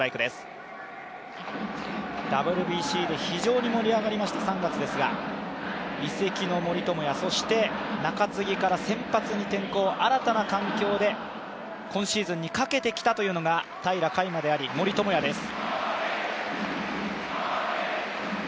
ＷＢＣで非常に盛り上がりました３月ですが、移籍の森友哉、そして中継ぎから先発に転向、新たな環境で今シーズンにかけてきたというのが平良海馬であり、森友哉です。